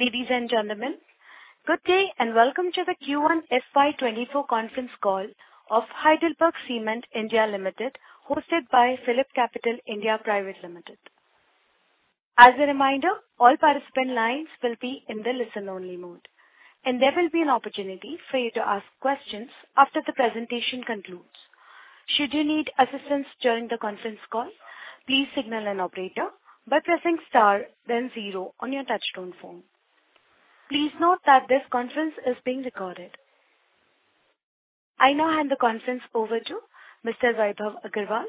Ladies and gentlemen, good day and welcome to the Q1 FY 2024 conference call of HeidelbergCement India Limited, hosted by PhillipCapital (India) Private Limited. As a reminder, all participant lines will be in the listen-only mode, and there will be an opportunity for you to ask questions after the presentation concludes. Should you need assistance during the conference call, please signal an operator by pressing star, then zero on your touch-tone phone. Please note that this conference is being recorded. I now hand the conference over to Mr. Vaibhav Agarwal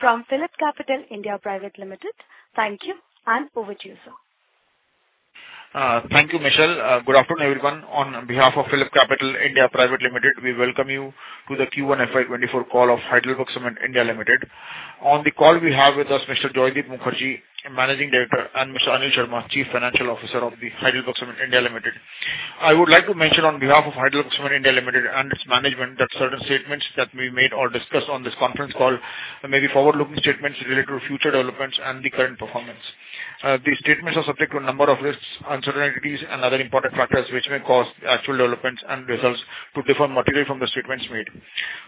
from PhillipCapital (India) Private Limited. Thank you, and over to you, sir. Thank you, Michelle. Good afternoon, everyone. On behalf of PhillipCapital (India) Private Limited, we welcome you to the Q1 FY 2024 call of HeidelbergCement India Limited. On the call, we have with us Mr. Joydeep Mukherjee, Managing Director, and Mr. Anil Sharma, Chief Financial Officer of the HeidelbergCement India Limited. I would like to mention on behalf of HeidelbergCement India Limited and its management that certain statements that may be made or discussed on this conference call may be forward-looking statements related to future developments and the current performance. These statements are subject to a number of risks, uncertainties, and other important factors which may cause actual developments and results to differ materially from the statements made.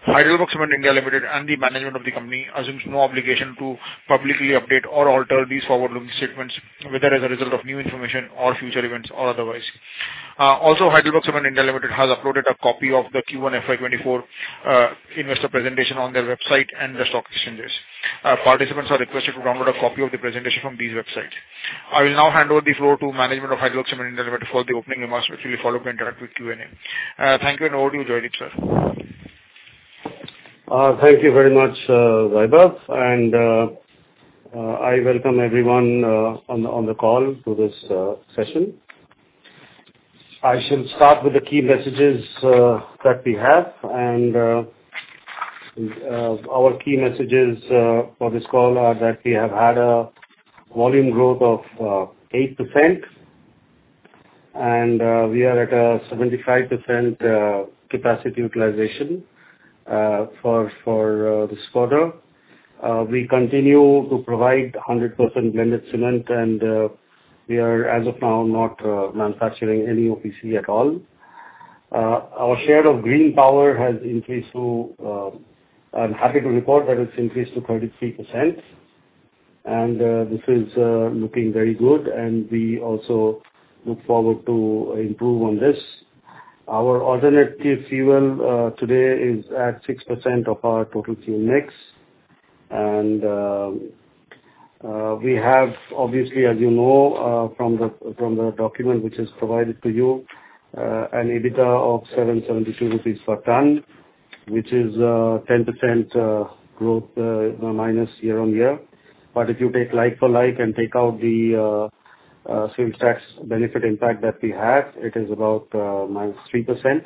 HeidelbergCement India Limited and the management of the company assume no obligation to publicly update or alter these forward-looking statements, whether as a result of new information or future events or otherwise. Also, HeidelbergCement India Limited has uploaded a copy of the Q1 FY 2024 investor presentation on their website and the stock exchanges. Participants are requested to download a copy of the presentation from these websites. I will now hand over the floor to management of HeidelbergCement India Limited for the opening remarks, which will be followed by interactive Q&A. Thank you, and over to you, Joydeep, sir. Thank you very much, Vaibhav. I welcome everyone on the call to this session. I shall start with the key messages that we have. Our key messages for this call are that we have had a volume growth of 8%, and we are at a 75% capacity utilization for this quarter. We continue to provide 100% blended cement, and we are, as of now, not manufacturing any OPC at all. Our share of green power has increased, so I'm happy to report that it's increased to 33%. This is looking very good, and we also look forward to improving on this. Our alternative fuel today is at 6% of our total fuel mix. We have, obviously, as you know from the document which is provided to you, an EBITDA of 772 rupees per ton, which is 10% growth year-on-year. But if you take like-for-like and take out the sales tax benefit impact that we have, it is about -3%.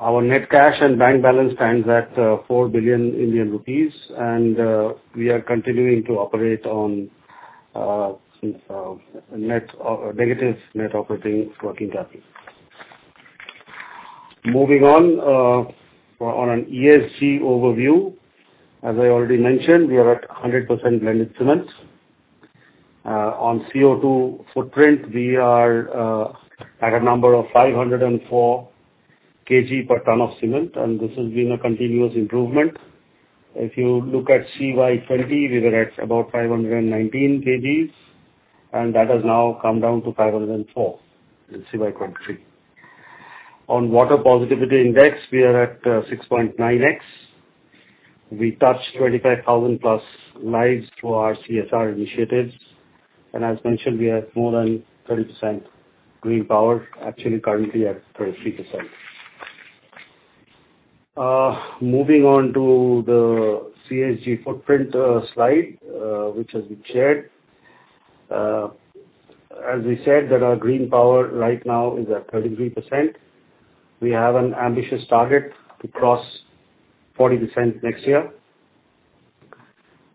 Our net cash and bank balance stands at 4 billion Indian rupees, and we are continuing to operate on negative net operating working capital. Moving on, on an ESG overview, as I already mentioned, we are at 100% blended cement. On CO2 footprint, we are at a number of 504 kg per ton of cement, and this has been a continuous improvement. If you look at CY20, we were at about 519 kg, and that has now come down to 504 in CY23. On water positivity index, we are at 6.9x. We touched 25,000+ lives through our CSR initiatives. And as mentioned, we have more than 30% green power, actually currently at 33%. Moving on to the ESG footprint slide, which has been shared. As we said, that our green power right now is at 33%. We have an ambitious target to cross 40% next year.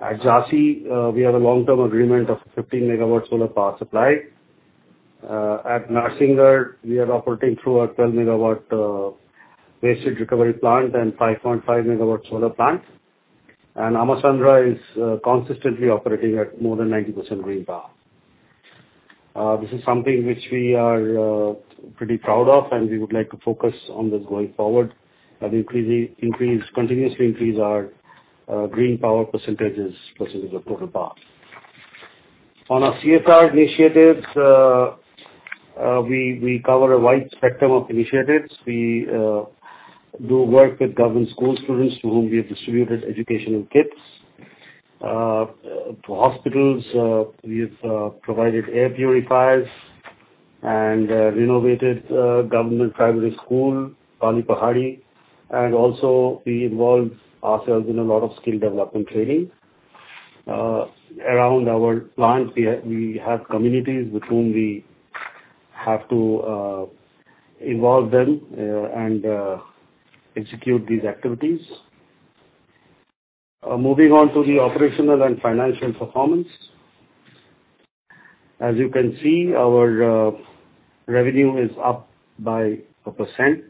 At Jhansi, we have a long-term agreement of 15 MW solar power supply. At Narsingarh, we are operating through a 12 MW waste recovery plant and 5.5 MW solar plant. Amasandra is consistently operating at more than 90% green power. This is something which we are pretty proud of, and we would like to focus on this going forward and continuously increase our green power percentages of total power. On our CSR initiatives, we cover a wide spectrum of initiatives. We do work with government school students to whom we have distributed educational kits. To hospitals, we have provided air purifiers and renovated government primary school, Pali Pahari. We involve ourselves in a lot of skill development training. Around our plant, we have communities with whom we have to involve them and execute these activities. Moving on to the operational and financial performance. As you can see, our revenue is up by 1%.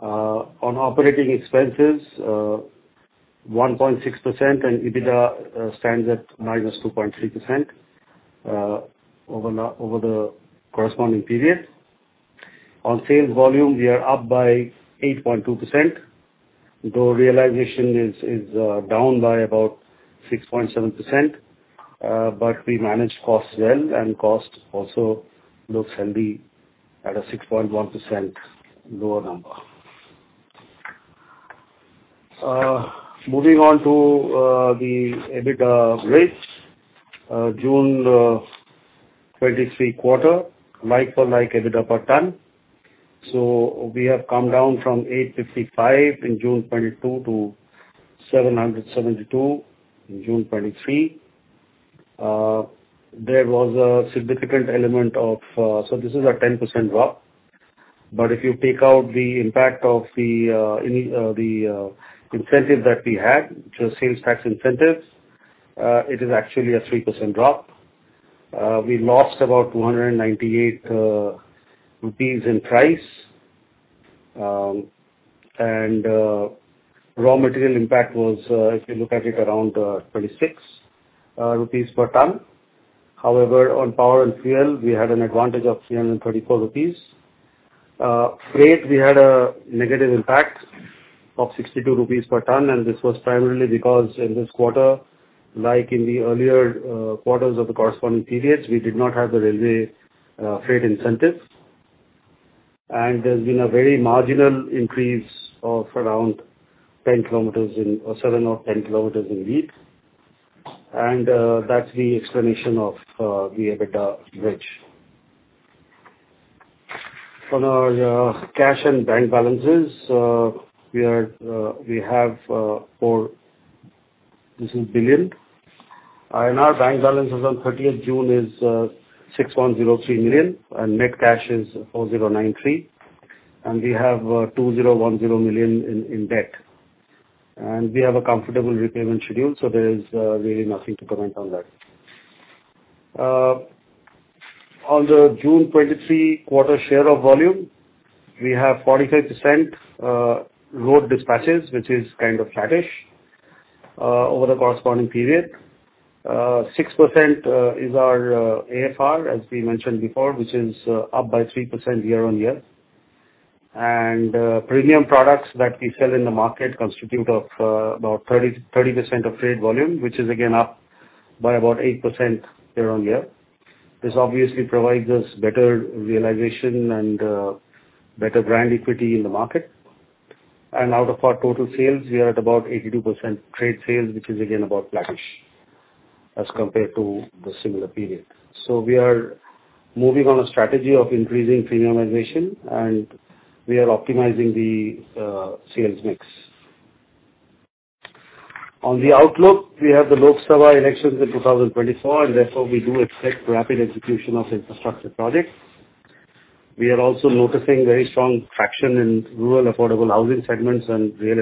On operating expenses, 1.6%, and EBITDA stands at -2.3% over the corresponding period. On sales volume, we are up by 8.2%, though realization is down by about 6.7%. But we manage costs well, and cost also looks healthy at a 6.1% lower number. Moving on to the EBITDA rate, June 2023 quarter, like-for-like EBITDA per ton. So we have come down from 855 in June 2022 to 772 in June 2023. There was a significant element of so this is a 10% drop. But if you take out the impact of the incentive that we had, which was sales tax incentive, it is actually a 3% drop. We lost about 298 rupees per ton in price. Raw material impact was, if you look at it, around 26 rupees per ton. However, on power and fuel, we had an advantage of 334 rupees per ton. On freight, we had a negative impact of 62 rupees per ton, and this was primarily because in this quarter, like in the earlier quarters of the corresponding periods, we did not have the railway freight incentive. And there's been a very marginal increase of around 7 or 10 kms in lead. And that's the explanation of the EBITDA wedge. On our cash and bank balances, we have 4 billion. And our bank balance as on 30th June is 6,103 million, and net cash is 4,093 million. And we have 2,010 million in debt. And we have a comfortable repayment schedule, so there is really nothing to comment on that. On the June 2023 quarter share of volume, we have 45% road dispatches, which is kind of flattish over the corresponding period. 6% is our AFR, as we mentioned before, which is up by 3% year-on-year. Premium products that we sell in the market constitute about 30% of trade volume, which is, again, up by about 8% year-on-year. This obviously provides us better realization and better brand equity in the market. Out of our total sales, we are at about 82% trade sales, which is, again, about flattish as compared to the similar period. We are moving on a strategy of increasing premiumization, and we are optimizing the sales mix. On the outlook, we have the Lok Sabha elections in 2024, and therefore, we do expect rapid execution of infrastructure projects. We are also noticing very strong traction in rural affordable housing segments and real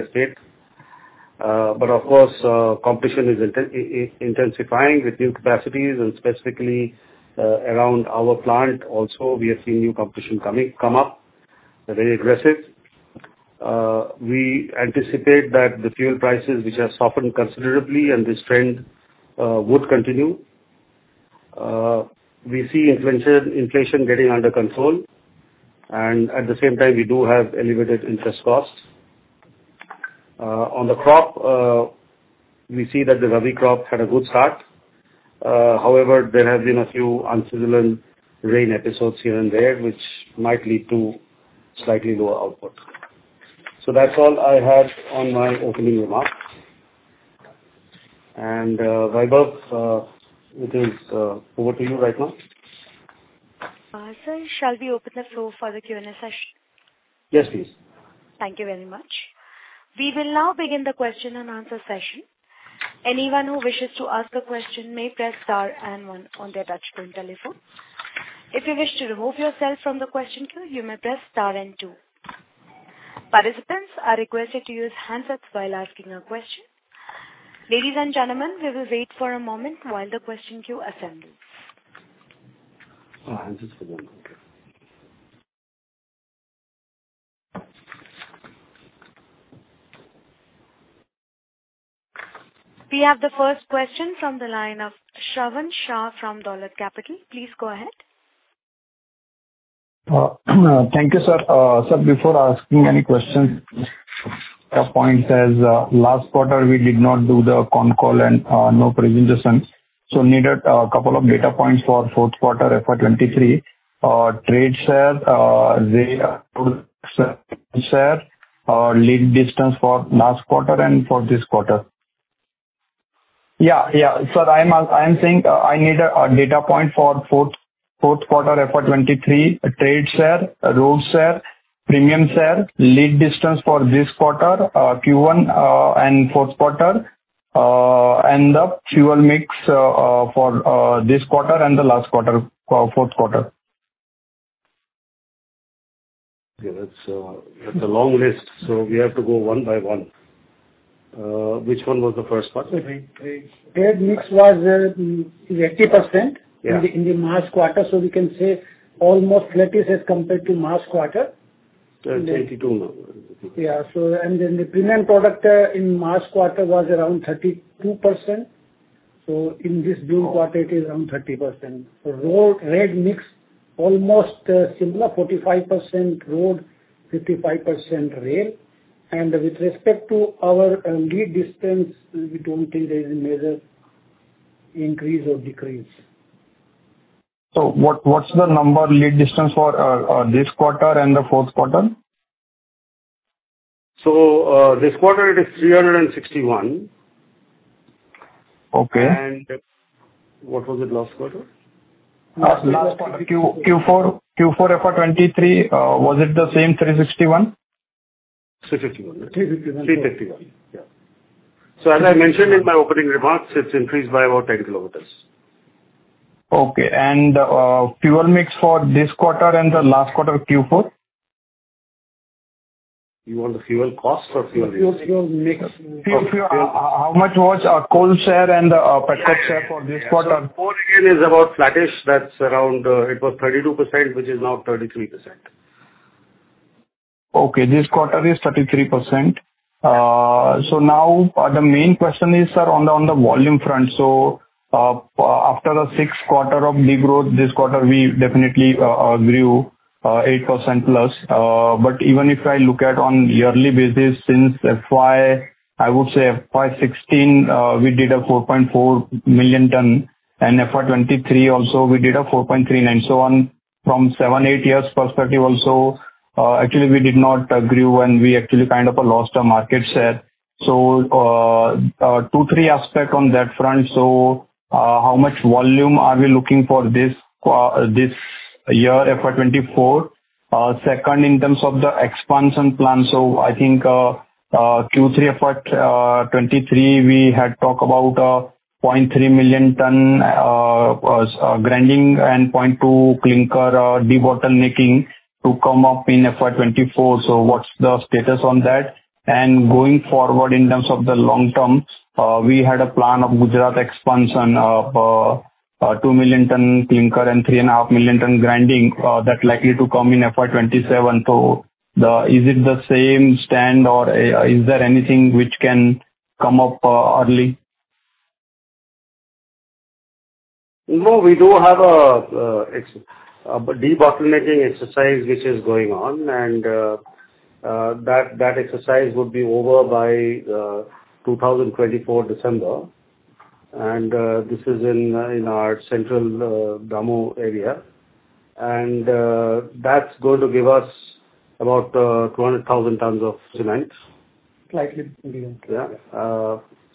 estate. But of course, competition is intensifying with new capacities. Specifically around our plant, also, we have seen new competition come up, very aggressive. We anticipate that the fuel prices, which have softened considerably, and this trend would continue. We see inflation getting under control. At the same time, we do have elevated interest costs. On the crop, we see that the Rabi crop had a good start. However, there have been a few unsettling rain episodes here and there, which might lead to slightly lower output. So that's all I had on my opening remarks. Vaibhav, it is over to you right now. Sir, shall we open the floor for the Q&A session? Yes, please. Thank you very much. We will now begin the question-and-answer session. Anyone who wishes to ask a question may press star and one on their touchscreen telephone. If you wish to remove yourself from the question queue, you may press star and two. Participants are requested to use handsets while asking a question. Ladies and gentlemen, we will wait for a moment while the question queue assembles. Oh, handsets for them. Okay. We have the first question from the line of Shravan Shah from Dolat Capital. Please go ahead. Thank you, sir. Sir, before asking any questions, data point says last quarter, we did not do the Concall and no presentation, so needed a couple of data points for fourth quarter FY 2023. Trade share, lead distance for last quarter and for this quarter. Yeah. Yeah. Sir, I am saying I need a data point for fourth quarter FY 2023: trade share, road share, premium share, lead distance for this quarter, Q1 and fourth quarter, and the fuel mix for this quarter and the last quarter, fourth quarter. Okay. That's a long list. So we have to go one by one. Which one was the first part? Trade mix was 80% in the last quarter, so we can say almost 30% as compared to last quarter. 2022 now. Yeah. And then the premium product in last quarter was around 32%. So in this June quarter, it is around 30%. Ready-mix, almost similar, 45% road, 55% rail. And with respect to our lead distance, we don't think there is a major increase or decrease. So what's the number lead distance for this quarter and the fourth quarter? This quarter, it is 361. Okay. What was it last quarter? Last quarter, Q4 FY 2023, was it the same 361? 361. 361. Yeah. So as I mentioned in my opening remarks, it's increased by about 10 km. Okay. And fuel mix for this quarter and the last quarter, Q4? You want the fuel cost or fuel mix? Fuel mix. Fuel mix. How much was coal share and petrol share for this quarter? Q4, again, is about flattish. That's around it was 32%, which is now 33%. Okay. This quarter is 33%. So now the main question is, sir, on the volume front. So after the sixth quarter of degrowth, this quarter, we definitely grew 8%+. But even if I look at on yearly basis, since FY, I would say FY 2016, we did a 4.4 million ton. And FY 2023, also, we did a 4.39. So from 7-8 years' perspective also, actually, we did not grow, and we actually kind of lost our market share. So 2-3 aspects on that front. So how much volume are we looking for this year, FY 2024? Second, in terms of the expansion plan, so I think Q3 FY 2023, we had talked about 0.3 million ton grinding and 0.2 clinker de-bottlenecking to come up in FY 2024. So what's the status on that? Going forward, in terms of the long term, we had a plan of Gujarat expansion of 2 million tons clinker and 3.5 million tons grinding. That's likely to come in FY 2027. So is it the same stand, or is there anything which can come up early? No, we do have a de-bottlenecking exercise which is going on. That exercise would be over by December 2024. This is in our central Damoh area. That's going to give us about 200,000 tons of cement. Slightly. Yeah.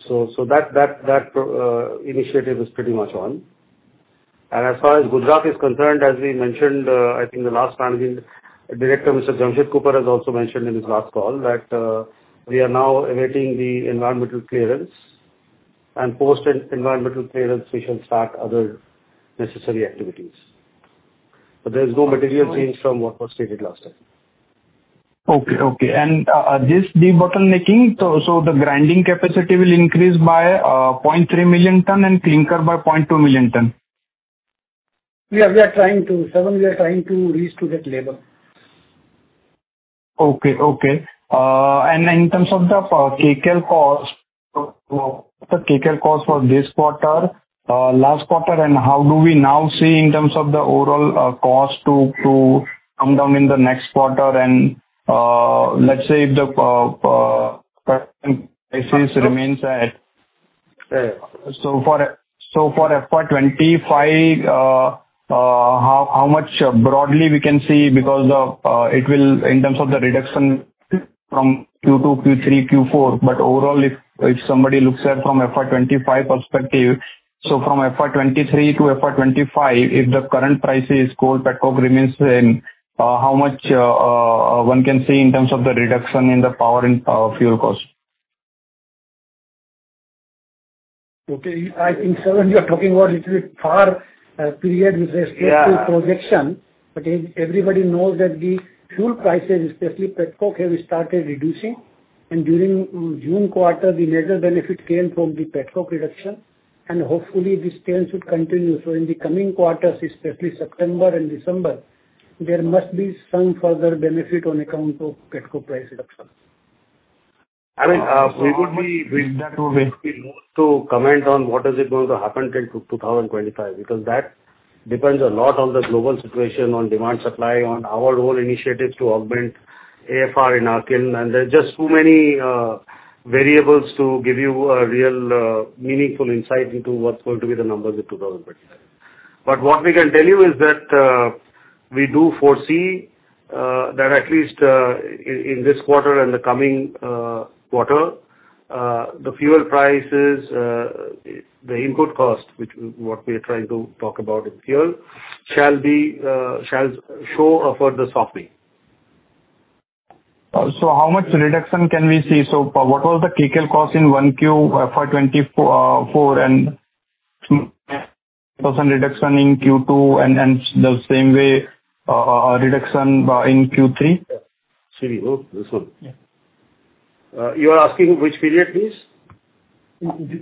So that initiative is pretty much on. And as far as Gujarat is concerned, as we mentioned, I think the last Managing Director, Mr. Jamshed Cooper, has also mentioned in his last call that we are now awaiting the environmental clearance. And post-environmental clearance, we shall start other necessary activities. So there's no material change from what was stated last time. Okay. Okay. And this de-bottlenecking, so the grinding capacity will increase by 0.3 million ton and clinker by 0.2 million ton? Yeah. We are trying to. Seven, we are trying to reach to that level. Okay. Okay. And in terms of the kcal cost, what's the kcal cost for this quarter, last quarter, and how do we now see in terms of the overall cost to come down in the next quarter? And let's say if the prices remain as of FY 2025, how much broadly we can see because it will in terms of the reduction from Q2, Q3, Q4. But overall, if somebody looks at from FY 2025 perspective, so from FY 2023 to FY 2025, if the current prices of coal, petrol remain the same, how much one can see in terms of the reduction in the power and fuel cost? Okay. I think, Sir, you are talking about a little bit far period with respect to projection. But everybody knows that the fuel prices, especially petrol, have started reducing. And during June quarter, the major benefit came from the petrol reduction. And hopefully, this trend should continue. So in the coming quarters, especially September and December, there must be some further benefit on account of petrol price reduction. I mean, that would be most to comment on what is it going to happen till 2025 because that depends a lot on the global situation, on demand supply, on our own initiatives to augment AFR in our kiln. And there are just too many variables to give you a real meaningful insight into what's going to be the numbers in 2025. But what we can tell you is that we do foresee that at least in this quarter and the coming quarter, the fuel prices, the input cost, which is what we are trying to talk about in fuel, shall show a further softening. So how much reduction can we see? So what was the kcal cost in Q1 FY24, and 10% reduction in Q2 and the same way reduction in Q3? Excuse me. Oh, this one. You are asking which period, please?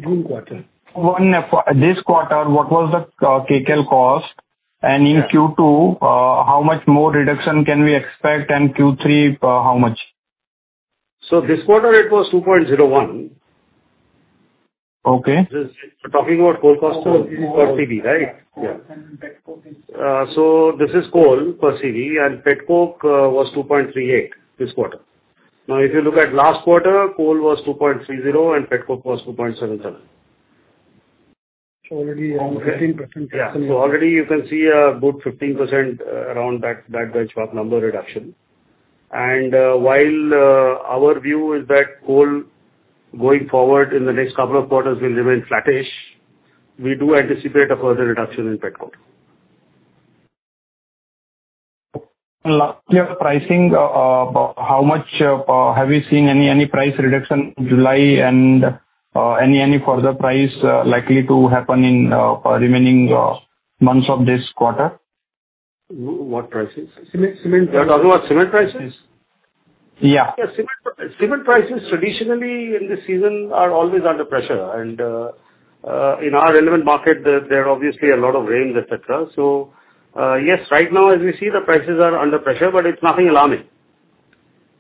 June quarter. This quarter, what was the kcal cost? And in Q2, how much more reduction can we expect? And Q3, how much? So this quarter, it was 2.01. We're talking about coal cost per CV, right? Yeah. So this is coal per CV, and petrol was 2.38 this quarter. Now, if you look at last quarter, coal was 2.30 and petrol was 2.77. So already around 15% reduction. Yeah. So already, you can see a good 15% around that benchmark number reduction. While our view is that coal, going forward in the next couple of quarters, will remain flattish, we do anticipate a further reduction in petrol. Last year, pricing, how much have we seen any price reduction in July and any further price likely to happen in remaining months of this quarter? What prices? Cement? You're talking about cement prices? Yes. Yeah. Yeah. Cement prices, traditionally, in this season, are always under pressure. And in our relevant market, there are obviously a lot of rains, etc. So yes, right now, as we see, the prices are under pressure, but it's nothing alarming.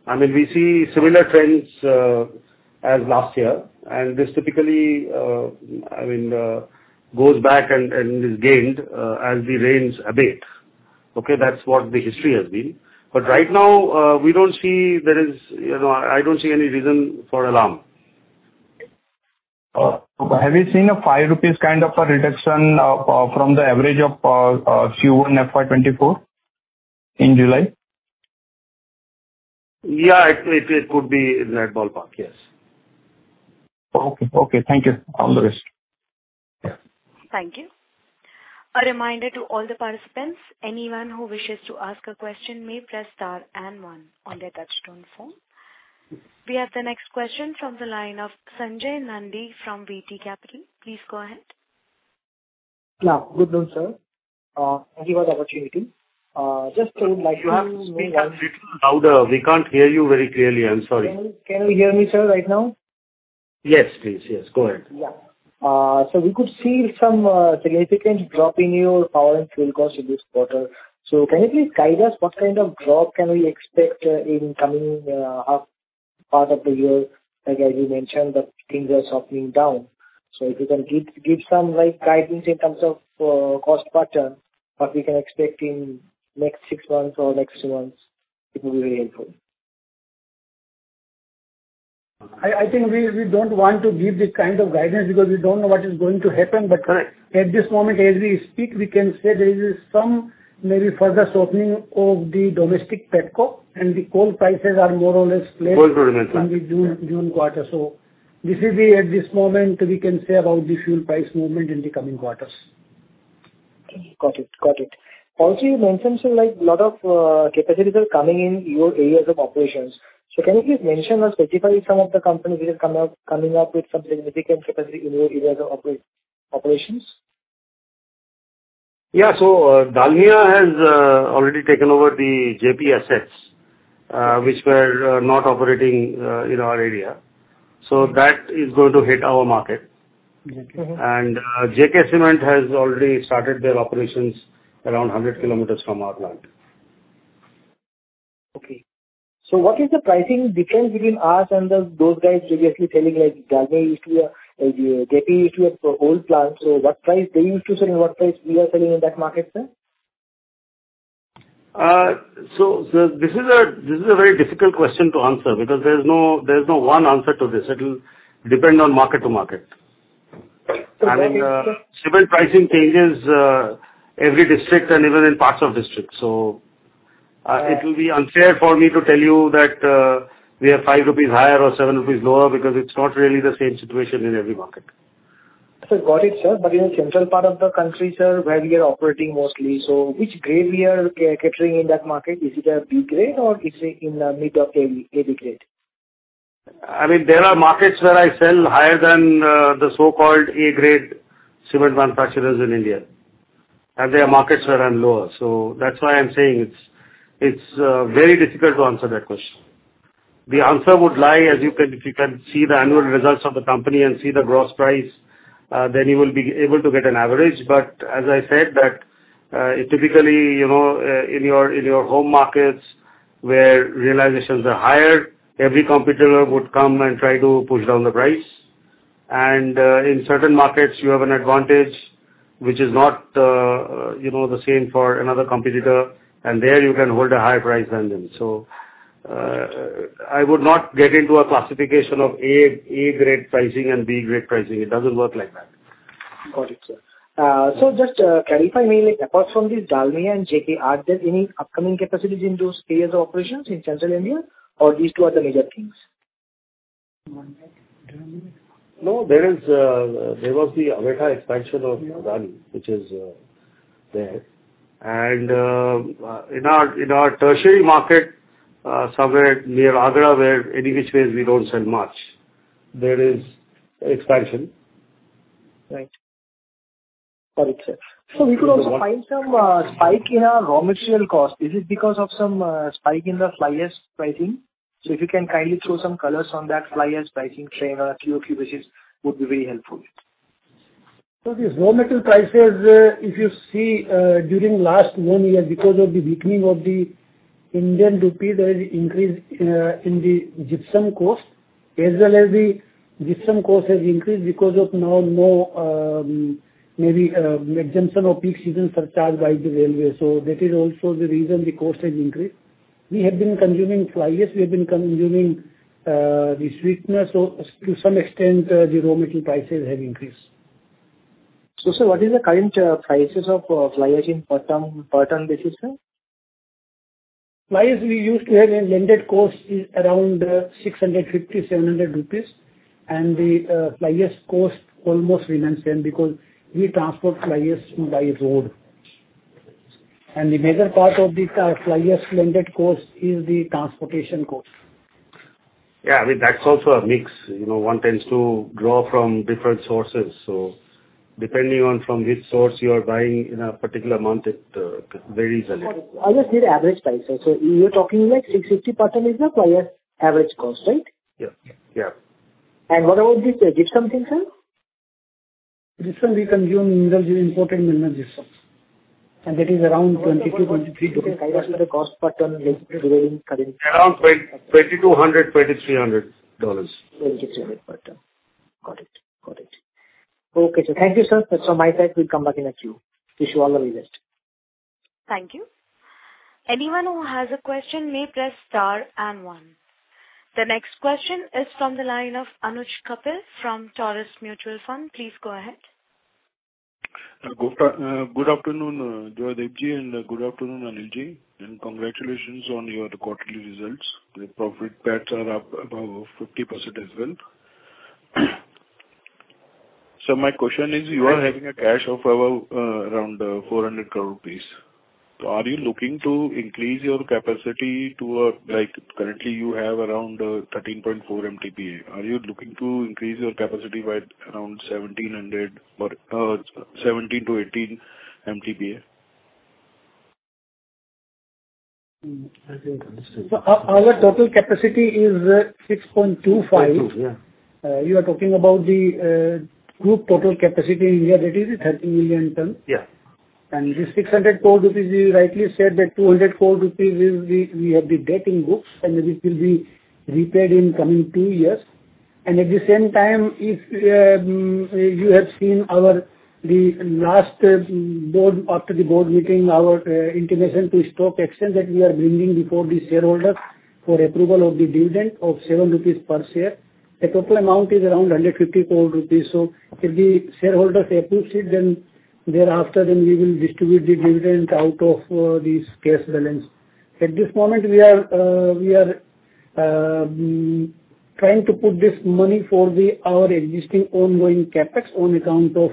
I mean, we see similar trends as last year. And this typically, I mean, goes back and is gained as the rains abate. Okay? That's what the history has been. But right now, we don't see there is. I don't see any reason for alarm. Have you seen a 5 rupees kind of a reduction from the average of Q1 FY 2024 in July? Yeah. It could be in that ballpark. Yes. Okay. Okay. Thank you. All the best. Yeah. Thank you. A reminder to all the participants, anyone who wishes to ask a question may press star and one on their touch-tone phone. We have the next question from the line of Sanjay Nandi from VT Capital. Please go ahead. Yeah. Good noon, sir. Thank you for the opportunity. Just would like to ask you one question. We can't hear you louder. We can't hear you very clearly. I'm sorry. Can you hear me, sir, right now? Yes, please. Yes. Go ahead. Yeah. So we could see some significant drop in your power and fuel costs in this quarter. So can you please guide us what kind of drop can we expect in coming half part of the year? As you mentioned, the things are softening down. So if you can give some guidance in terms of cost pattern, what we can expect in next six months or next two months, it will be very helpful. I think we don't want to give this kind of guidance because we don't know what is going to happen. But at this moment, as we speak, we can say there is some maybe further softening of the domestic petrol, and the coal prices are more or less flat. Coal prices are flat. In the June quarter. So, at this moment, this is what we can say about the fuel price movement in the coming quarters. Got it. Got it. Also, you mentioned, sir, a lot of capacities are coming in your areas of operations. So can you please mention or specify some of the companies which are coming up with some significant capacity in your areas of operations? Yeah. So Dalmia has already taken over the J.P. assets, which were not operating in our area. So that is going to hit our market. And JK Cement has already started their operations around 100 km from our plant. Okay. So what is the pricing difference between us and those guys previously selling? J.P. used to have old plants. So what price they used to sell and what price we are selling in that market, sir? So this is a very difficult question to answer because there is no one answer to this. It will depend on market to market. I mean, cement pricing changes every district and even in parts of districts. So it will be unfair for me to tell you that we are 5 rupees higher or 7 rupees lower because it's not really the same situation in every market. So got it, sir. But in the central part of the country, sir, where we are operating mostly, so which grade we are catering in that market? Is it a B grade, or is it in the mid of AB grade? I mean, there are markets where I sell higher than the so-called A-grade cement manufacturers in India. There are markets where I'm lower. So that's why I'm saying it's very difficult to answer that question. The answer would lie, as you can, if you can see the annual results of the company and see the gross price, then you will be able to get an average. But as I said, that typically, in your home markets where realizations are higher, every competitor would come and try to push down the price. In certain markets, you have an advantage, which is not the same for another competitor. And there, you can hold a higher price than them. So I would not get into a classification of A-grade pricing and B-grade pricing. It doesn't work like that. Got it, sir. So just clarify for me, apart from this Dalmia and JK, are there any upcoming capacities in those areas of operations in central India, or these two are the major things? No, there was the Ambuja expansion of Adani, which is there. In our tertiary market, somewhere near Agra, where in which ways we don't sell much, there is expansion. Right. Got it, sir. So we could also find some spike in our raw material cost. Is it because of some spike in the fly ash pricing? So if you can kindly throw some color on that fly ash pricing trend on a QQ basis, it would be very helpful. So these raw material prices, if you see during last one year, because of the weakening of the Indian rupee, there is an increase in the gypsum cost. As well as the gypsum cost has increased because of now no maybe exemption of peak season surcharge by the railway. So that is also the reason the cost has increased. We have been consuming fly ash. We have been consuming the sweetener. So to some extent, the raw material prices have increased. Sir, what is the current prices of fly ash in per ton basis, sir? ash, we used to have a blended cost around 650-700 rupees. The fly ash cost almost remained the same because we transport fly ash by road. The major part of the fly ash blended cost is the transportation cost. Yeah. I mean, that's also a mix. One tends to draw from different sources. So depending on from which source you are buying in a particular month, it varies a little. Got it. I just need average price, sir. So you're talking like 650 per ton is the fly ash average cost, right? Yeah. Yeah. What about the gypsum thing, sir? Gypsum, we consume imported mineral gypsum. That is around $22, $23. Okay. Kind of the cost per ton relating current. Around $2,200-$2,300. $2,300 per ton. Got it. Got it. Okay, sir. Thank you, sir. That's all my side. We'll come back in a queue. Wish you all the very best. Thank you. Anyone who has a question may press star and one. The next question is from the line of Anuj Kapil from Taurus Mutual Fund. Please go ahead. Good afternoon, Joydeep ji, and good afternoon, Anil ji. Congratulations on your quarterly results. The profit paths are up above 50% as well. My question is, you are having a cash of around 400 crore rupees. Are you looking to increase your capacity? Currently, you have around 13.4 MTPA. Are you looking to increase your capacity by around 1700 or 17-18 MTPA? I can't understand. Our total capacity is 6.25. 6.25. Yeah. You are talking about the group total capacity in India. That is 13 million tons. And the 600 crore rupees, you rightly said that 200 crore rupees, we have the debt in books, and it will be repaid in coming two years. And at the same time, if you have seen the last after the board meeting, our information to stock exchange that we are bringing before the shareholders for approval of the dividend of 7 rupees per share, the total amount is around 150 crore rupees. So if the shareholders approve it, then thereafter, then we will distribute the dividend out of this cash balance. At this moment, we are trying to put this money for our existing ongoing CapEx on account of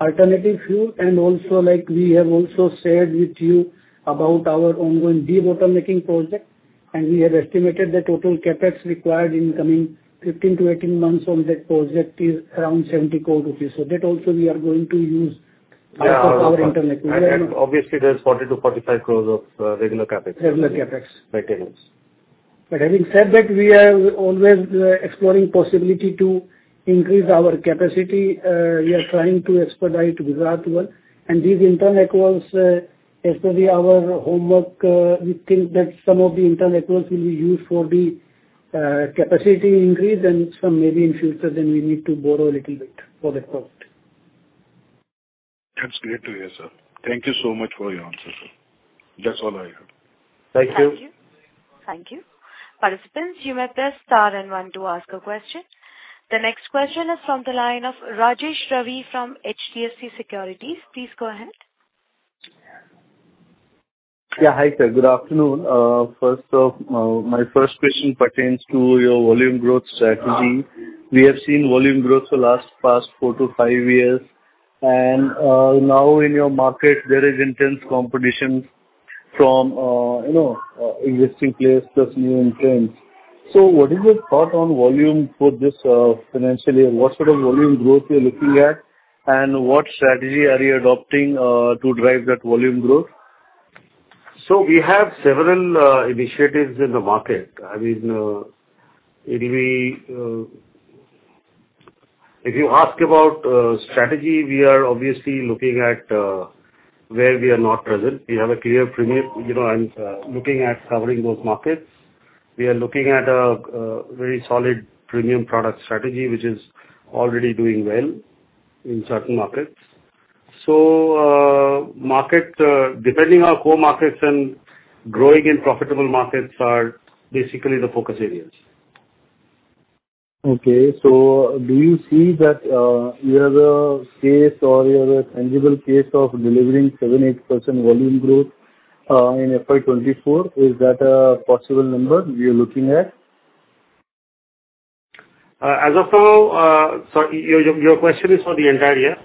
alternative fuel. And also, we have also said with you about our ongoing de-bottlenecking project. We have estimated the total CapEx required in the coming 15-18 months on that project is around 70 crore rupees. That also, we are going to use for our internal fuel. Obviously, there's 40-45 crores of regular CapEx. Regular CapEx. Maintenance. But having said that, we are always exploring the possibility to increase our capacity. We are trying to expedite with that one. And these internal accruals, as per our homework, we think that some of the internal accruals will be used for the capacity increase. And some maybe in future, then we need to borrow a little bit for that project. That's great to hear, sir. Thank you so much for your answer, sir. That's all I have. Thank you. Thank you. Participants, you may press star and one to ask a question. The next question is from the line of Rajesh Ravi from HDFC Securities. Please go ahead. Yeah. Hi, sir. Good afternoon. My first question pertains to your volume growth strategy. We have seen volume growth for the last past four to five years. And now, in your market, there is intense competition from existing players plus new entrants. So what is your thought on volume for this financial year? What sort of volume growth are you looking at? And what strategy are you adopting to drive that volume growth? So we have several initiatives in the market. I mean, if you ask about strategy, we are obviously looking at where we are not present. We have a clear premium. I'm looking at covering those markets. We are looking at a very solid premium product strategy, which is already doing well in certain markets. So depending on core markets and growing in profitable markets are basically the focus areas. Okay. So do you see that you have a case or you have a tangible case of delivering 7%-8% volume growth in FY24? Is that a possible number you're looking at? As of now, so your question is for the entire year?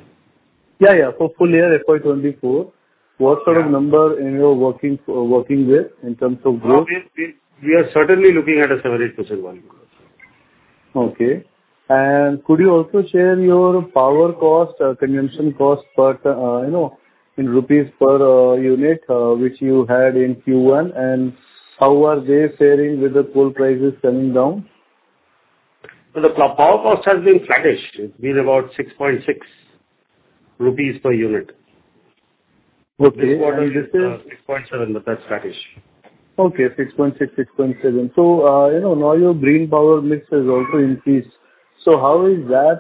Yeah. Yeah. For full year, FY24. What sort of number are you working with in terms of growth? We are certainly looking at a 7%-8% volume growth. Okay. And could you also share your power cost, consumption cost in INR per unit, which you had in Q1? And how are they faring with the coal prices coming down? The power cost has been flattish. It's been about 6.6 rupees per unit. This quarter, INR 6.7, but that's flattish. 6.6, 6.7. So now, your green power mix has also increased. So how is that?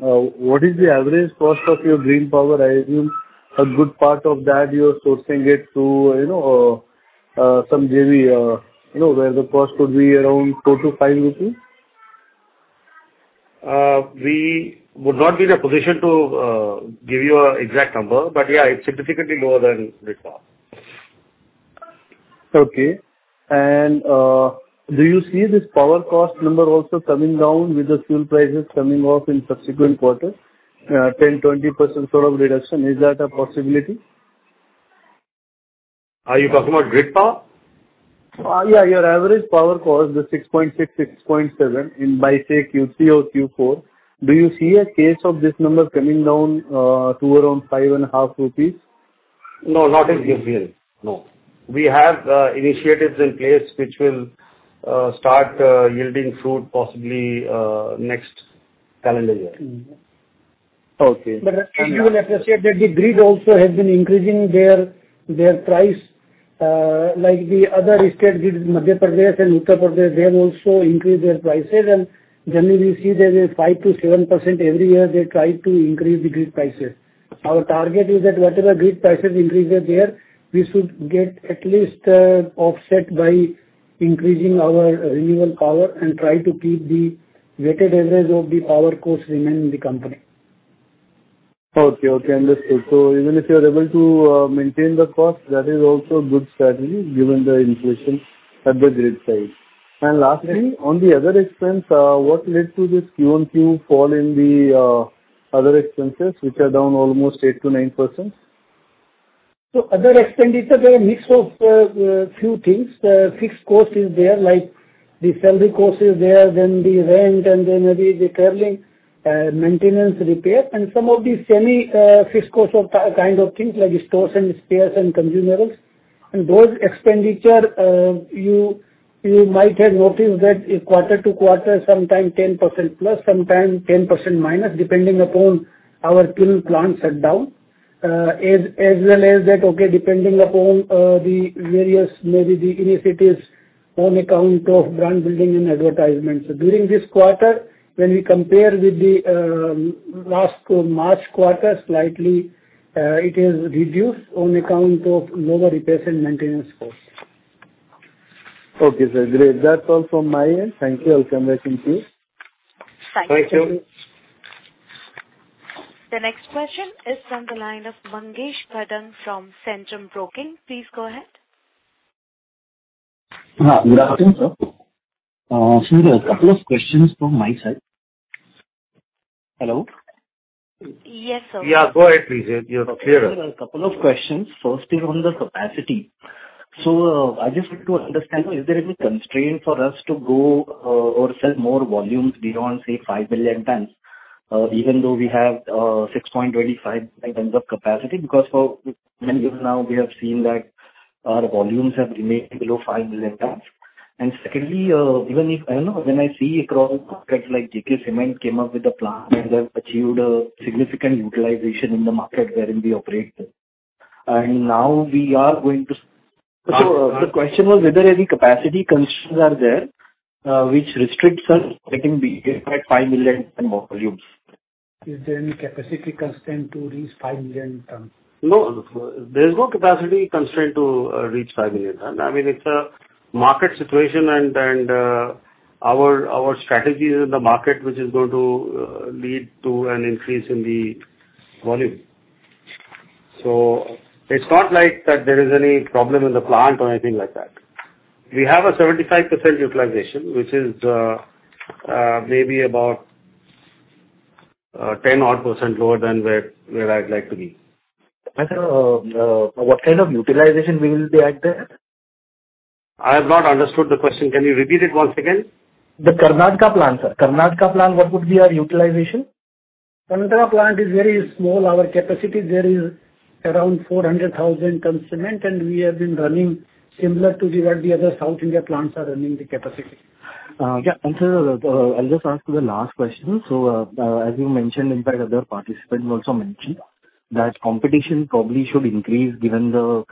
What is the average cost of your green power? I assume a good part of that, you're sourcing it through some JV where the cost would be around 4-5 rupees? We would not be in a position to give you an exact number. But yeah, it's significantly lower than grid power. Okay. And do you see this power cost number also coming down with the fuel prices coming off in subsequent quarters, 10%-20% sort of reduction? Is that a possibility? Are you talking about grid power? Yeah. Your average power cost, the 6.6-6.7 in FY 2025 Q3 or Q4, do you see a case of this number coming down to around 5.5 rupees? No, not in this year. No. We have initiatives in place which will start yielding fruit possibly next calendar year. Okay. But you will appreciate that the grid also has been increasing their price. Like the other state grids, Madhya Pradesh and Uttar Pradesh, they have also increased their prices. Generally, we see that 5%-7% every year, they try to increase the grid prices. Our target is that whatever grid prices increase there, we should get at least offset by increasing our renewable power and try to keep the weighted average of the power costs remain in the company. Okay. Okay. Understood. So even if you are able to maintain the cost, that is also a good strategy given the inflation at the grid side. And lastly, on the other expense, what led to this Q on Q fall in the other expenses, which are down almost 8%-9%? So, other expenditure, there are a mix of few things. Fixed cost is there, like the salary cost is there, then the rent, and then maybe the traveling, maintenance, repair. Some of the semi-fixed cost kind of things, like stores and spares and consumables. Those expenditures, you might have noticed that quarter-to-quarter, sometimes 10%+, sometimes 10%-, depending upon our current plants shut down. As well as that, okay, depending upon the various, maybe the initiatives on account of brand building and advertisements. During this quarter, when we compare with the last March quarter, slightly, it is reduced on account of lower repairs and maintenance costs. Okay, sir. Great. That's all from my end. Thank you. I'll come back in a few. Thank you. Thank you. The next question is from the line of Mangesh Bhadang from Centrum Broking. Please go ahead. Good afternoon, sir. Sir, a couple of questions from my side. Hello? Yes, sir. Yeah. Go ahead, please. You're clearer. Sir, a couple of questions. First is on the capacity. So I just want to understand, is there any constraint for us to go or sell more volumes beyond, say, 5 million tons, even though we have 6.25 million tons of capacity? Because for many years now, we have seen that our volumes have remained below 5 million tons. And secondly, even if I don't know, when I see across markets, like JK Cement came up with a plan and have achieved a significant utilization in the market wherein we operate them. And now, we are going to. So the question was whether any capacity constraints are there which restrict us from getting beyond 5 million tons of volumes. Is there any capacity constraint to reach 5 million tons? No. There's no capacity constraint to reach 5 million tons. I mean, it's a market situation. Our strategy is in the market, which is going to lead to an increase in the volume. It's not like that there is any problem in the plant or anything like that. We have a 75% utilization, which is maybe about 10 odd % lower than where I'd like to be. What kind of utilization will be at there? I have not understood the question. Can you repeat it once again? The Karnataka plant, sir. Karnataka plant, what would be our utilization? Karnataka plant is very small. Our capacity, there is around 400,000 tons of cement. And we have been running similar to what the other South India plants are running the capacity. Yeah. And sir, I'll just ask the last question. So as you mentioned, in fact, other participants also mentioned that competition probably should increase given the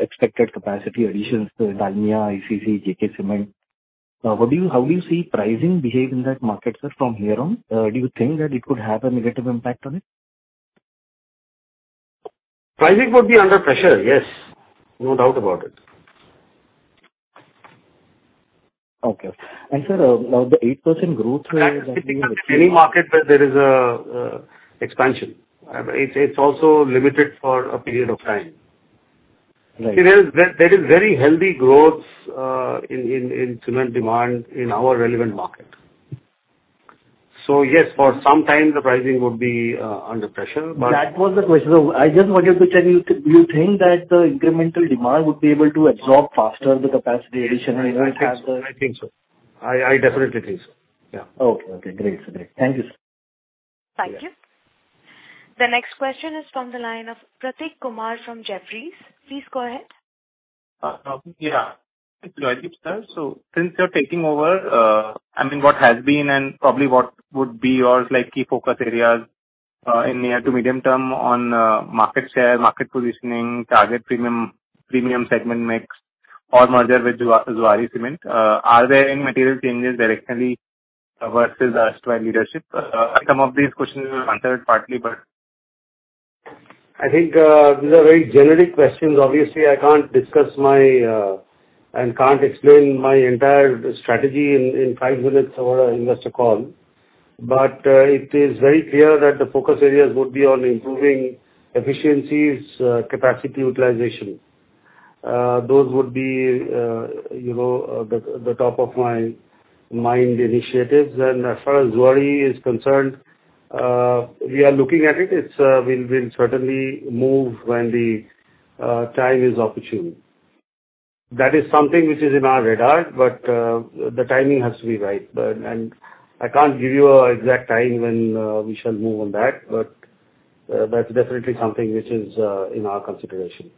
expected capacity additions: Dalmia, ACC, JK Cement. How do you see pricing behaving in that market, sir, from here on? Do you think that it could have a negative impact on it? Pricing would be under pressure. Yes. No doubt about it. Okay. And sir, the 8% growth that we have seen. Any market where there is expansion, it's also limited for a period of time. See, there is very healthy growth in cement demand in our relevant market. So yes, for some time, the pricing would be under pressure, but. That was the question. I just wanted to check. Do you think that the incremental demand would be able to absorb faster the capacity addition and have the? I think so. I think so. I definitely think so. Yeah. Okay. Okay. Great, sir. Great. Thank you, sir. Thank you. The next question is from the line of Prateek Kumar from Jefferies. Please go ahead. Yeah. Joydeep, sir. So since you're taking over, I mean, what has been and probably what would be your key focus areas in near- to medium-term on market share, market positioning, target premium segment mix, or merger with Zuari Cement, are there any material changes directly versus the past leadership? Some of these questions were answered partly, but. I think these are very generic questions. Obviously, I can't discuss my and can't explain my entire strategy in five minutes over an investor call. But it is very clear that the focus areas would be on improving efficiencies, capacity utilization. Those would be the top of my mind initiatives. And as far as Zuari is concerned, we are looking at it. We'll certainly move when the time is opportune. That is something which is in our radar, but the timing has to be right. And I can't give you an exact time when we shall move on that. But that's definitely something which is in our consideration.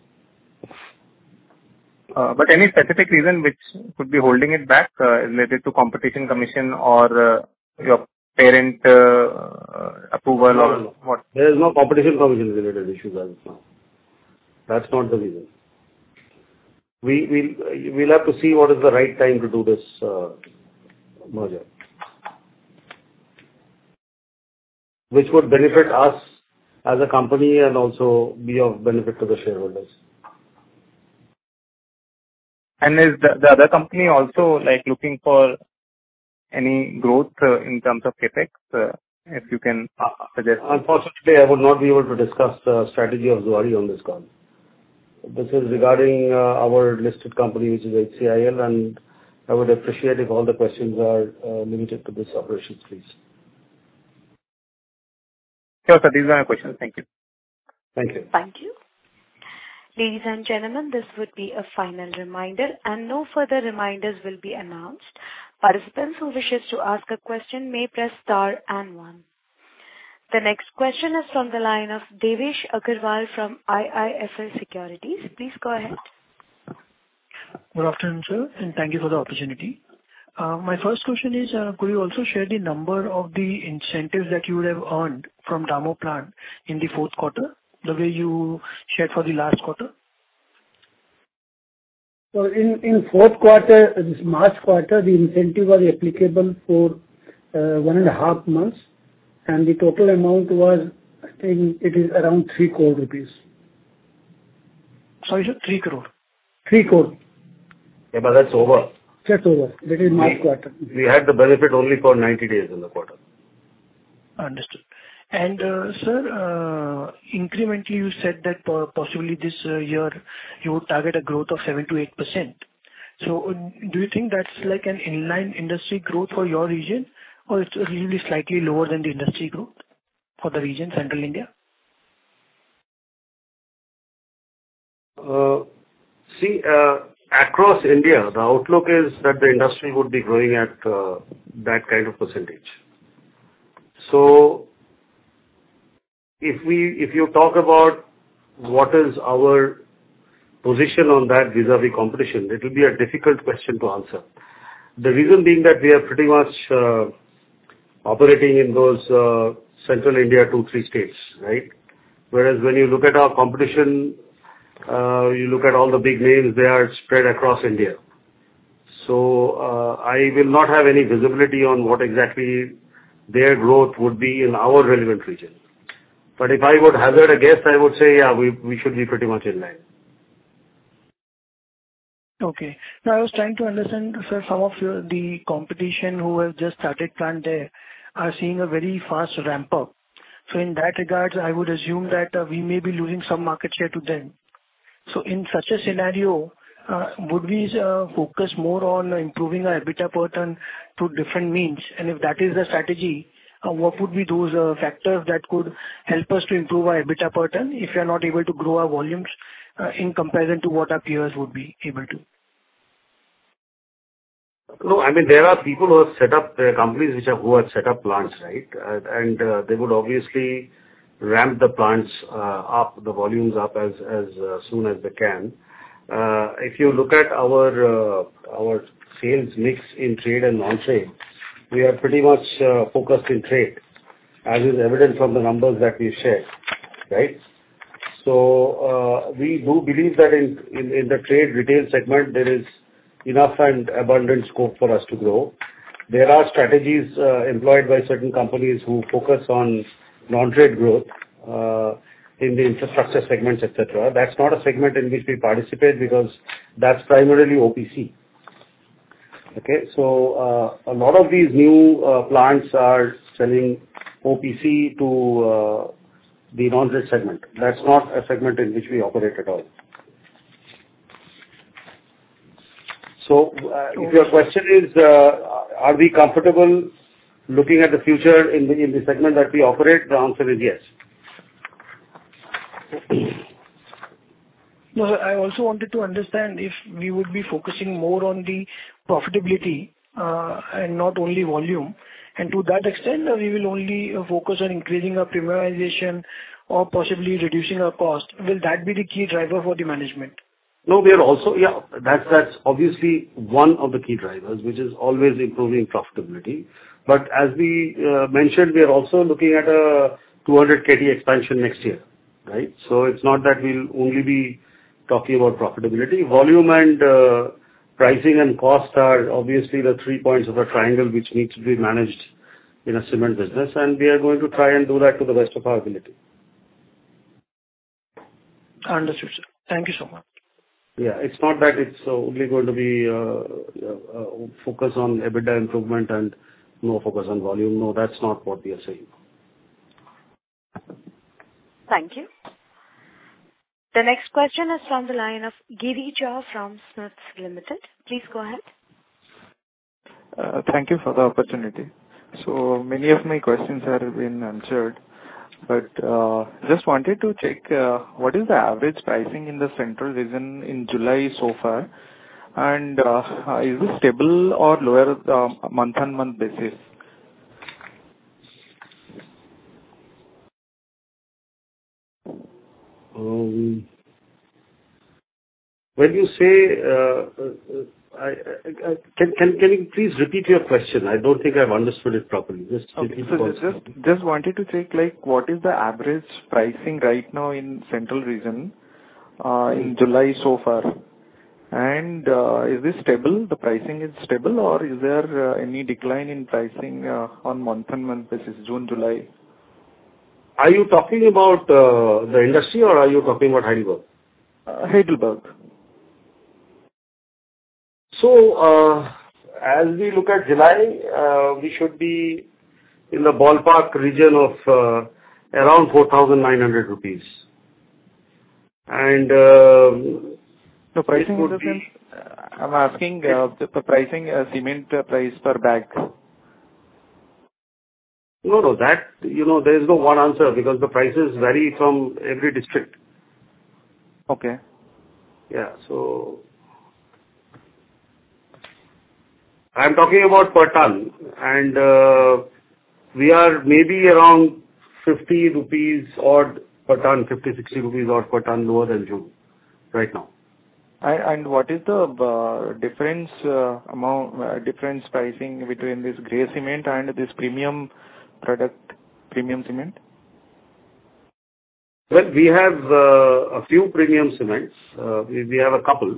But any specific reason which could be holding it back related to competition commission or your parent approval or what? There is no competition commission-related issue right now. That's not the reason. We'll have to see what is the right time to do this merger, which would benefit us as a company and also be of benefit to the shareholders. Is the other company also looking for any growth in terms of CapEx, if you can suggest? Unfortunately, I would not be able to discuss the strategy of Zuari on this call. This is regarding our listed company, which is HCIL. I would appreciate if all the questions are limited to this operations, please. Sure, sir. These are my questions. Thank you. Thank you. Thank you. Ladies and gentlemen, this would be a final reminder. No further reminders will be announced. Participants who wish to ask a question may press star and one. The next question is from the line of Devesh Agarwal from IIFL Securities. Please go ahead. Good afternoon, sir. Thank you for the opportunity. My first question is, could you also share the number of the incentives that you would have earned from Damoh Plant in the fourth quarter, the way you shared for the last quarter? In fourth quarter, this March quarter, the incentive was applicable for one and a half months. The total amount was, I think it is around 3 crore rupees. Sorry. You said 3 crore? 3 crore. Yeah. But that's over. That's over. That is March quarter. We had the benefit only for 90 days in the quarter. Understood. And sir, incrementally, you said that possibly this year, you would target a growth of 7%-8%. So do you think that's an in-line industry growth for your region, or it's really slightly lower than the industry growth for the region, Central India? See, across India, the outlook is that the industry would be growing at that kind of percentage. So if you talk about what is our position on that vis-à-vis competition, it will be a difficult question to answer. The reason being that we are pretty much operating in those Central India two, three states, right? Whereas when you look at our competition, you look at all the big names, they are spread across India. So I will not have any visibility on what exactly their growth would be in our relevant region. But if I would hazard a guess, I would say, yeah, we should be pretty much in line. Okay. Now, I was trying to understand, sir, some of the competition who have just started plant there are seeing a very fast ramp-up. So in that regard, I would assume that we may be losing some market share to them. So in such a scenario, would we focus more on improving our EBITDA pattern through different means? And if that is the strategy, what would be those factors that could help us to improve our EBITDA pattern if we are not able to grow our volumes in comparison to what our peers would be able to? No. I mean, there are people who have set up their companies who have set up plants, right? And they would obviously ramp the plants up, the volumes up as soon as they can. If you look at our sales mix in trade and non-trade, we are pretty much focused in trade, as is evident from the numbers that we shared, right? So we do believe that in the trade retail segment, there is enough and abundant scope for us to grow. There are strategies employed by certain companies who focus on non-trade growth in the infrastructure segments, etc. That's not a segment in which we participate because that's primarily OPC. Okay? So a lot of these new plants are selling OPC to the non-trade segment. That's not a segment in which we operate at all. If your question is, are we comfortable looking at the future in the segment that we operate, the answer is yes. No, sir. I also wanted to understand if we would be focusing more on the profitability and not only volume. And to that extent, we will only focus on increasing our premiumization or possibly reducing our cost. Will that be the key driver for the management? No, yeah. That's obviously one of the key drivers, which is always improving profitability. But as we mentioned, we are also looking at a 200 KT expansion next year, right? So it's not that we'll only be talking about profitability. Volume and pricing and cost are obviously the three points of the triangle which needs to be managed in a cement business. And we are going to try and do that to the best of our ability. Understood, sir. Thank you so much. Yeah. It's not that it's only going to be a focus on EBITDA improvement and no focus on volume. No, that's not what we are saying. Thank you. The next question is from the line of Girish Choudhary from SMIFS Limited. Please go ahead. Thank you for the opportunity. So many of my questions have been answered. But just wanted to check, what is the average pricing in the Central region in July so far? And is it stable or lower on a month-on-month basis? When you say can you please repeat your question? I don't think I've understood it properly. Just repeat the question. Sir, just wanted to check, what is the average pricing right now in Central region in July so far? And is this stable? The pricing is stable, or is there any decline in pricing on a month-on-month basis, June, July? Are you talking about the industry, or are you talking about Heidelberg? Heidelberg. As we look at July, we should be in the ballpark region of around 4,900 rupees. It would be. The pricing difference, I'm asking the pricing cement price per bag. No, no. There is no one answer because the prices vary from every district. Yeah. So I'm talking about per ton. And we are maybe around 50 rupees odd per ton, 50, 60 rupees odd per ton lower than June right now. What is the difference pricing between this gray cement and this premium product, premium cement? Well, we have a few premium cements. We have a couple.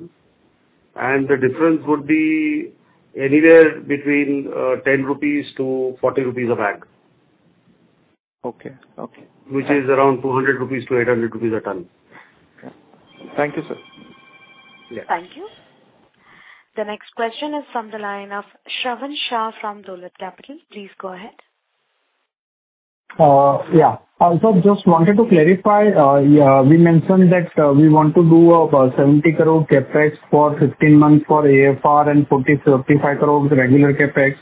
The difference would be anywhere between 10-40 rupees a bag, which is around 200-800 rupees a ton. Okay. Thank you, sir. Thank you. The next question is from the line of Shravan Shah from Dolat Capital. Please go ahead. Yeah. Also, I just wanted to clarify. We mentioned that we want to do 70 crore CapEx for 15 months for AFR and 40-45 crore regular CapEx.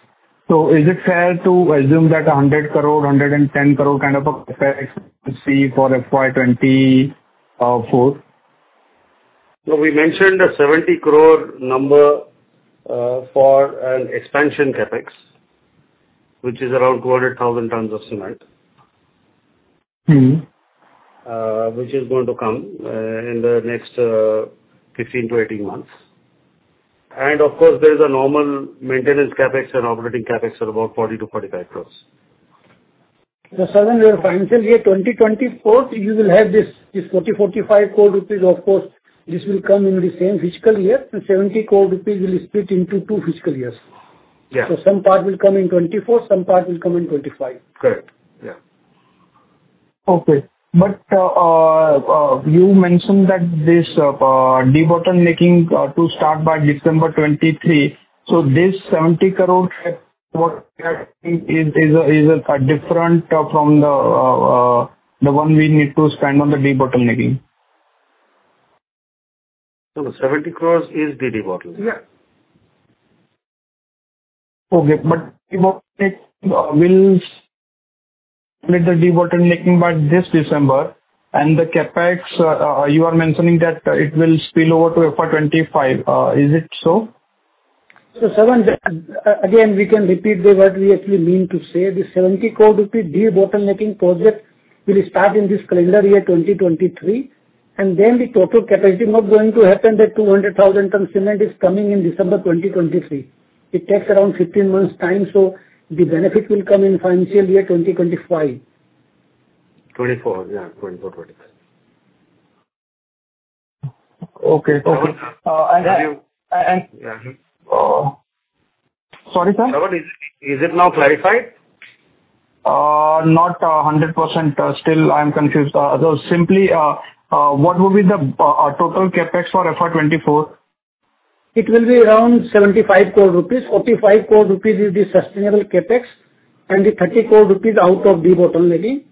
So is it fair to assume that 100-110 crore kind of a CapEx we see for FY 2024? We mentioned 70 crore for an expansion CapEx, which is around 200,000 tons of cement, which is going to come in the next 15-18 months. Of course, there is a normal maintenance CapEx and operating CapEx of about 40 crore-45 crore. The Southern Rail financial year 2024, you will have this 40-45 crore rupees. Of course, this will come in the same fiscal year. 70 crore rupees will split into two fiscal years. So some part will come in 2024. Some part will come in 2025. Correct. Yeah. Okay. But you mentioned that this de-bottlenecking to start by December 2023. So this 70 crore is different from the one we need to spend on the de-bottlenecking? 70 crore is the de-bottlenecking? Yeah. Okay. But will the de-bottlenecking by this December and the CapEx, you are mentioning that it will spill over to FY 2025? Is it so? So again, we can repeat what we actually mean to say. This 70 crore rupee de-bottlenecking project will start in this calendar year, 2023. And then the total capacity is not going to happen. The 200,000 tons of cement is coming in December 2023. It takes around 15 months' time. So the benefit will come in financial year, 2025. 2024. Yeah. 2024, 2025. Okay. Okay. And. And. And. Yeah. Sorry, sir? Is it now clarified? Not 100%. Still, I'm confused. Simply, what will be the total CapEx for FY 2024? It will be around 75 crore rupees. 45 crore rupees is the sustainable CapEx. The 30 crore rupees is out of de-bottlenecking.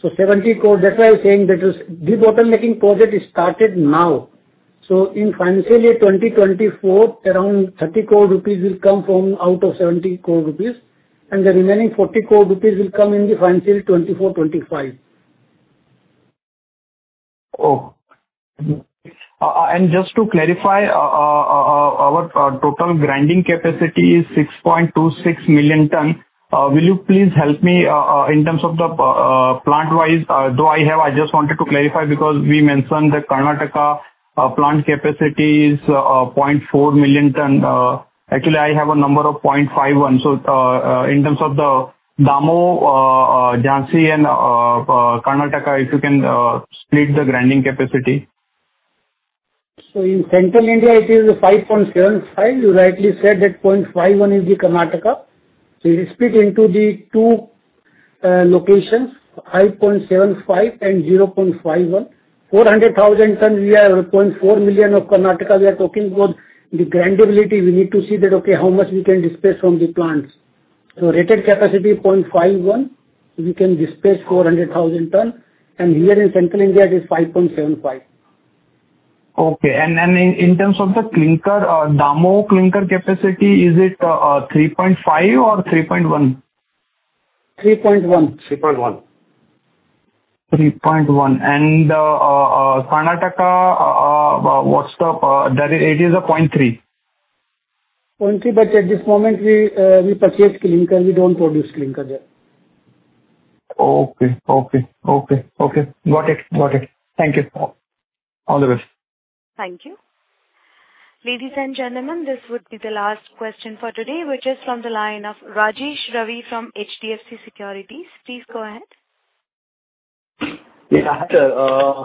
That's why I'm saying that de-bottlenecking project is started now. In financial year 2024, around INR 30 crore will come out of INR 70 crore. The remaining INR 40 crore will come in the financial year 2024, 2025. Oh. And just to clarify, our total grinding capacity is 6.26 million ton. Will you please help me in terms of the plant-wise? Though I have, I just wanted to clarify because we mentioned the Karnataka plant capacity is 0.4 million ton. Actually, I have a number of 0.51. So in terms of the Damoh, Jhansi, and Karnataka, if you can split the grinding capacity. So in Central India, it is 5.75. You rightly said that 0.51 is the Karnataka. So you split into the two locations, 5.75 and 0.51. 400,000 tons, 0.4 million of Karnataka, we are talking about the grindability. We need to see that, okay, how much we can disperse from the plants. So rated capacity 0.51, we can disperse 400,000 tons. And here in Central India, it is 5.75. Okay. And in terms of the Damoh clinker capacity, is it 3.5 or 3.1? 3.1. 3.1. Karnataka, what's the it is 0.3? 0.3. But at this moment, we purchase clinker. We don't produce clinker there. Okay. Okay. Okay. Okay. Got it. Got it. Thank you. All the best. Thank you. Ladies and gentlemen, this would be the last question for today, which is from the line of Rajesh Ravi from HDFC Securities. Please go ahead. Yeah. Hi, sir.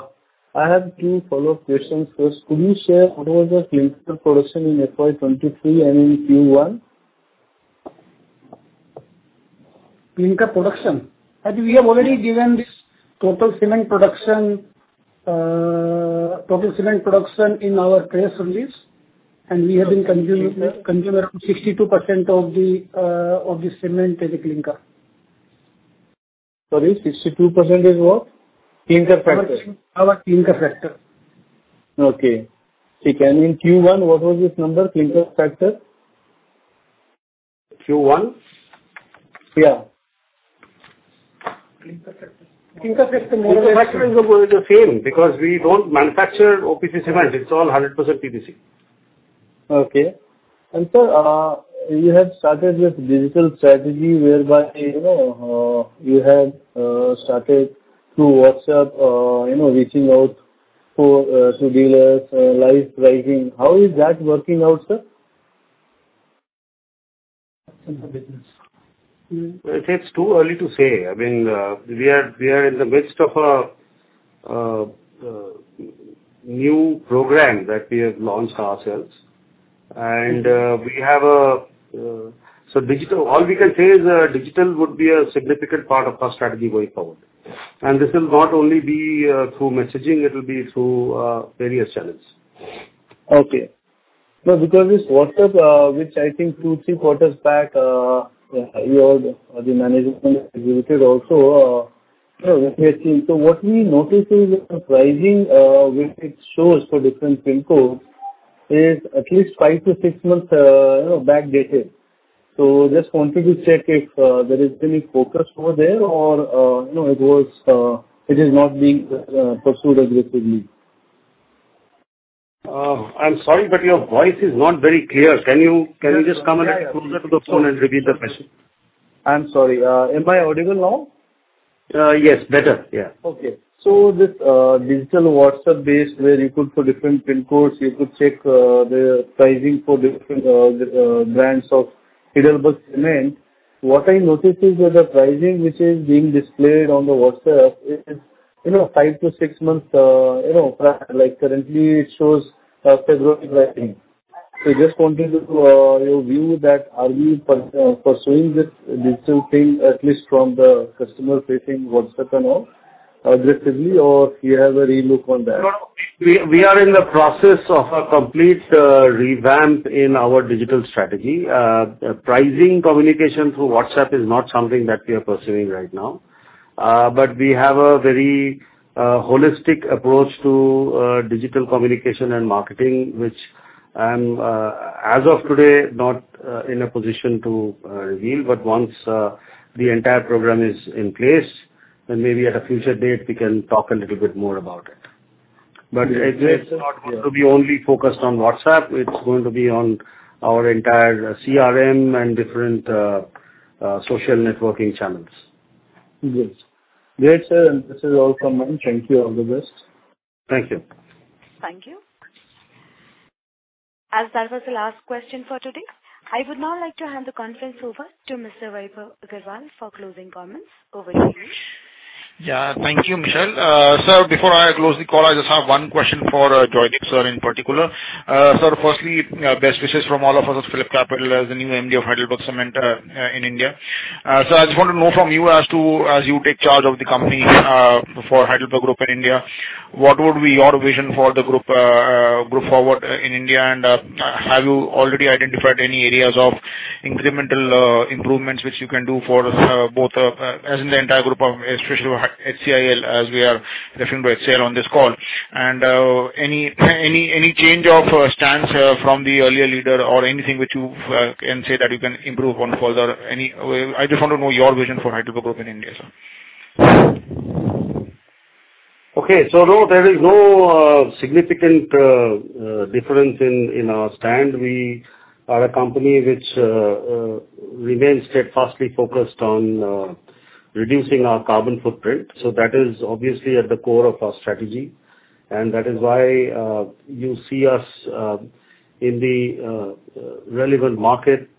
I have two follow-up questions. First, could you share what was the clinker production in FY 2023 and in Q1? Clinker production? We have already given this total cement production in our press release. We have been consuming around 62% of the cement as a clinker. Sorry. 62% is what? Clinker factor. Our Clinker factor. Okay. Okay. And in Q1, what was this number, clinker factor? Q1? Yeah. Clinker factor. Clinker factor. The factor is the same because we don't manufacture OPC cement. It's all 100% PPC. Okay. And sir, you have started with digital strategy whereby you have started through WhatsApp reaching out to dealers, live pricing. How is that working out, sir? It's too early to say. I mean, we are in the midst of a new program that we have launched ourselves. And we have, so all we can say is digital would be a significant part of our strategy going forward. And this will not only be through messaging. It will be through various channels. Okay. Now, because this WhatsApp, which I think two, three quarters back, the management executed also, so what we noticed is the pricing which it shows for different PIN codes is at least five to six months back date. So just wanted to check if there has been a focus over there or it is not being pursued aggressively. I'm sorry, but your voice is not very clear. Can you just come a little closer to the phone and repeat the question? I'm sorry. Am I audible now? Yes. Better. Yeah. Okay. So this digital WhatsApp-based where you could put different PIN codes, you could check the pricing for different brands of HeidelbergCement, what I noticed is that the pricing which is being displayed on the WhatsApp is five to six months. Currently, it shows February pricing. So I just wanted to view that are we pursuing this digital thing at least from the customer-facing WhatsApp and all aggressively, or do you have a re-look on that? No, no. We are in the process of a complete revamp in our digital strategy. Pricing communication through WhatsApp is not something that we are pursuing right now. But we have a very holistic approach to digital communication and marketing, which I'm, as of today, not in a position to reveal. But once the entire program is in place, then maybe at a future date, we can talk a little bit more about it. But it's not going to be only focused on WhatsApp. It's going to be on our entire CRM and different social networking channels. Great. Great, sir. This is all from me. Thank you. All the best. Thank you. Thank you. As that was the last question for today, I would now like to hand the conference over to Mr. Vaibhav Agarwal for closing comments. Over to you. Yeah. Thank you, Michelle. Sir, before I close the call, I just have one question for Joydeep, sir, in particular. Sir, firstly, best wishes from all of us at Phillip Capital as the new MD of HeidelbergCement India. Sir, I just want to know from you as you take charge of the company for Heidelberg Group in India, what would be your vision for the group forward in India? And have you already identified any areas of incremental improvements which you can do for both as in the entire group, especially HCIL as we are referring to HCIL on this call? And any change of stance from the earlier leader or anything which you can say that you can improve on further? I just want to know your vision for Heidelberg Group in India, sir. Okay. So no, there is no significant difference in our stance. We are a company which remains steadfastly focused on reducing our carbon footprint. So that is obviously at the core of our strategy. And that is why you see us in the relevant market.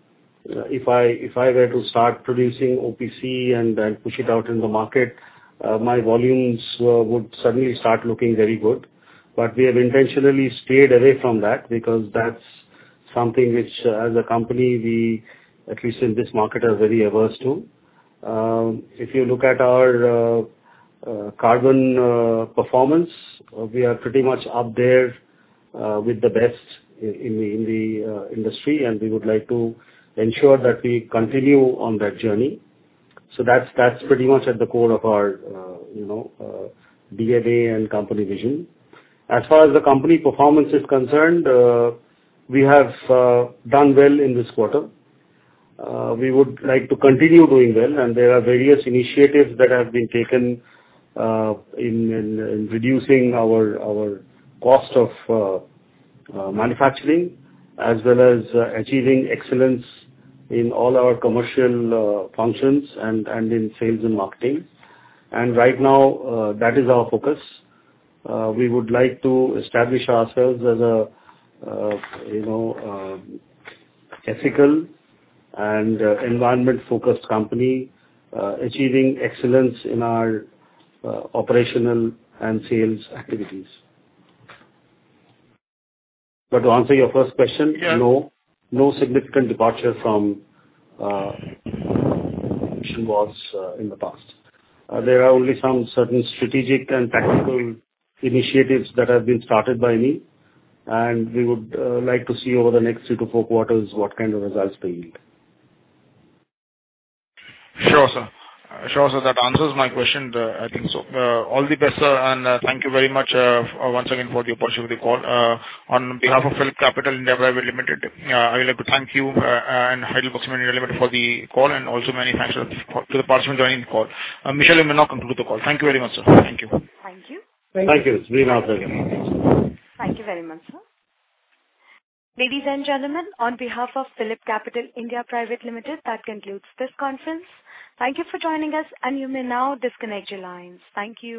If I were to start producing OPC and push it out in the market, my volumes would suddenly start looking very good. But we have intentionally stayed away from that because that's something which, as a company, we, at least in this market, are very averse to. If you look at our carbon performance, we are pretty much up there with the best in the industry. And we would like to ensure that we continue on that journey. So that's pretty much at the core of our DNA and company vision. As far as the company performance is concerned, we have done well in this quarter. We would like to continue doing well. There are various initiatives that have been taken in reducing our cost of manufacturing as well as achieving excellence in all our commercial functions and in sales and marketing. Right now, that is our focus. We would like to establish ourselves as an ethical and environment-focused company, achieving excellence in our operational and sales activities. But to answer your first question, no, no significant departure from what was in the past. There are only some certain strategic and tactical initiatives that have been started by me. We would like to see over the next three to four quarters what kind of results they yield. Sure, sir. Sure, sir. That answers my question, I think so. All the best, sir. And thank you very much once again for the opportunity for the call. On behalf of PhillipCapital (India) Private Limited, I would like to thank you and HeidelbergCement India Limited for the call. And also, many thanks to the participants joining the call. Michelle, you may now conclude the call. Thank you very much, sir. Thank you. Thank you. Thank you. It's been a pleasure. Thank you very much, sir. Ladies and gentlemen, on behalf of PhillipCapital (India) Private Limited, that concludes this conference. Thank you for joining us. You may now disconnect your lines. Thank you.